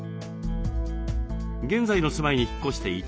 現在の住まいに引っ越して１年。